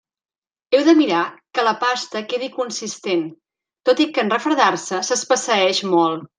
Heu de mirar que la pasta quedi consistent, tot i que en refredar-se s'espesseeix molt.